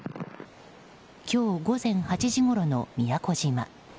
今日午前８時ごろの宮古島。